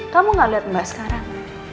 kamu gak lihat mbak sekarang